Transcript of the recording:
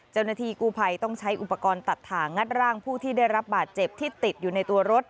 เจ้าหน้าที่กู้ภัยต้องใช้อุปกรณ์ตัดถ่างงัดร่างผู้ที่ได้รับบาดเจ็บที่ติดอยู่ในตัวรถ